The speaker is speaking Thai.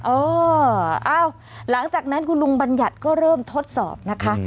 เออเอ้าหลังจากนั้นคุณลุงบัญญัติก็เริ่มทดสอบนะคะ